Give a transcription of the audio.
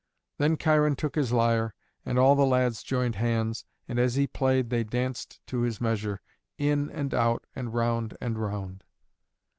Then Cheiron took his lyre, and all the lads joined hands, and as he played they danced to his measure, in and out and round and round.